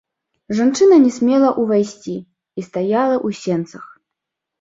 Жанчына не смела ўвайсці і стаяла ў сенцах.